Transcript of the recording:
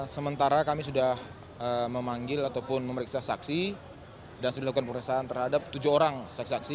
sementara kami sudah memanggil ataupun memeriksa saksi dan sudah dilakukan perusahaan terhadap tujuh orang saksi saksi